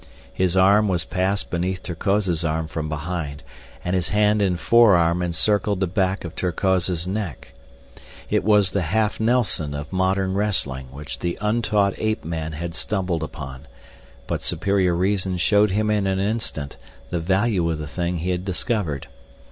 His arm was passed beneath Terkoz's arm from behind and his hand and forearm encircled the back of Terkoz's neck. It was the half Nelson of modern wrestling which the untaught ape man had stumbled upon, but superior reason showed him in an instant the value of the thing he had discovered.